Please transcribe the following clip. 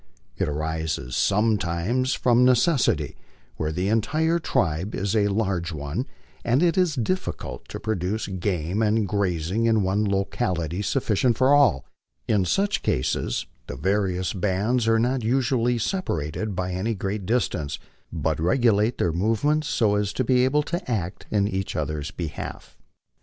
It arises sometimes from necessity, where the entire tribe is a large one, and it is difficult to procure game and grazing in one locality sufficient for all. In such cases the various bands are not usually separated by any great distance, but regulate their movements so as to be able to act in each other's behalf.